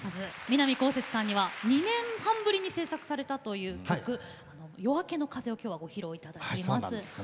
南こうせつさんには２年半ぶりに制作されたという一曲「夜明けの風」をご披露いただきます。